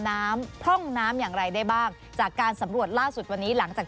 พร่องน้ำอย่างไรได้บ้างจากการสำรวจล่าสุดวันนี้หลังจาก